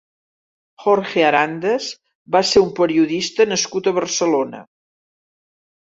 Jorge Arandes va ser un periodista nascut a Barcelona.